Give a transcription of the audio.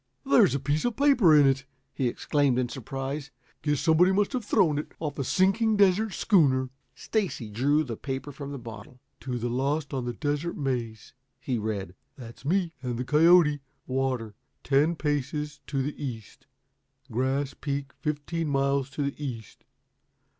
"There's a piece of paper in it," he exclaimed in surprise. "Guess somebody must have thrown it off a sinking desert schooner." Stacy drew the paper from the bottle. "'To the lost on the Desert Maze,'" he read "That's me and the coyote. 'Water ten paces to the east. Grass Peak fifteen miles to the east.